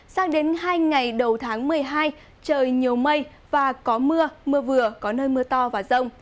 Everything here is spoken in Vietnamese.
sang đến hai ngày đầu tháng một mươi hai trời nhiều mây và có mưa mưa vừa có nơi mưa to và rông